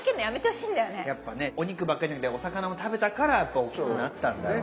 やっぱねお肉ばっかじゃなくてお魚も食べたからおっきくなったんだろうね。